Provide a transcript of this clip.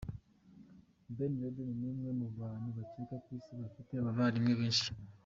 Ben Laden ni umwe mu bantu bake ku Isi bafite abavandimwe benshi cyane.